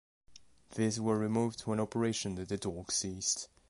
These were removed when operation at the docks ceased.